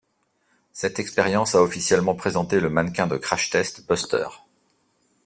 Cette expérience a officiellement présenté le mannequin de crash test, Buster.